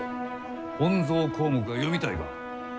「本草綱目」が読みたいか？